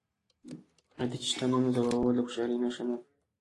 آیا د چیستانونو ځوابول د هوښیارۍ نښه نه ده؟